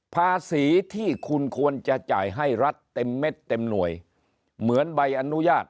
ภาษีที่คุณควรจะจ่ายให้รัฐเต็มเม็ดเต็มหน่วยเหมือนใบอนุญาต